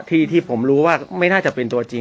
ที่ผมรู้ว่าไม่น่าจะเป็นตัวจริง